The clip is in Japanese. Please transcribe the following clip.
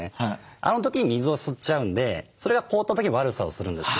あの時に水を吸っちゃうんでそれが凍った時に悪さをするんですね。